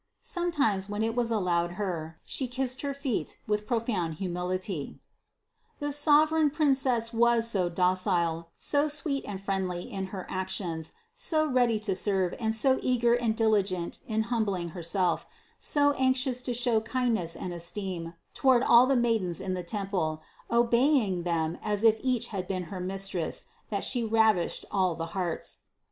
Sometimes, when it was allowed Her, She kissed her feet with pro found humility. 366 CITY OF GOD 473. The sovereign Princess was so docile, so sweet and friendly in her actions, so ready to serve and so eager and diligent in humbling Herself, so anxious to show kindness and esteem toward all the maidens in the temple, obeying them as if each had been Her Mistress, that She ravished all the hearts.